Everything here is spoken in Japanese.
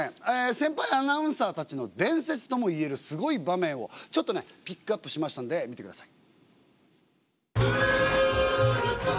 先輩アナウンサーたちの伝説ともいえるすごい場面をちょっとねピックアップしましたんで見てください。